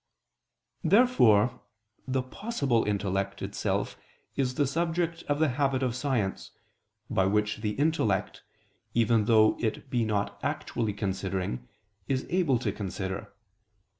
Therefore the "possible" intellect itself is the subject of the habit of science, by which the intellect, even though it be not actually considering, is able to consider.